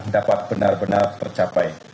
dapat benar benar tercapai